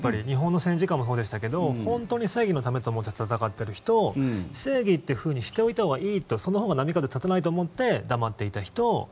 日本の戦時下もそうでしたけど本当に正義のためと思って戦っている人正義というふうにしておいたほうがいいとそのほうが波風立たないと思って黙っていた人